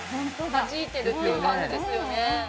はじいてるっていう感じですよね。